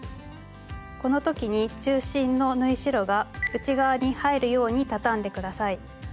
この時に中心の縫い代が内側に入るように畳んで下さい。